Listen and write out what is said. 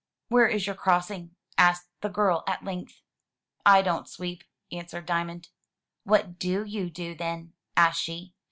"Where is your crossing?" asked the girl at length. "I don't sweep," answered Diamond. "What do you do, then?" asked she.